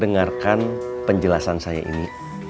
dengarkan penjelasan saya ini